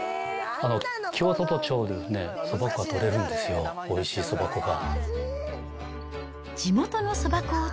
清里町でそば粉が取れるんですよ、おいしいそば粉が。